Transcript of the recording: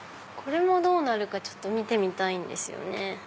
これもどうなるかちょっと見てみたいんですよね。